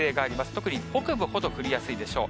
特に北部ほど降りやすいでしょう。